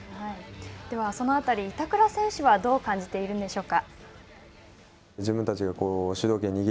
ではそのあたり、板倉選手はどう感じているんでしょうか。